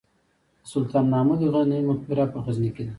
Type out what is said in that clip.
د سلطان محمود غزنوي مقبره په غزني کې ده